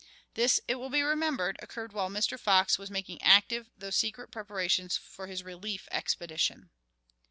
This, it will be remembered, occurred while Mr. Fox was making active, though secret, preparations for his relief expedition.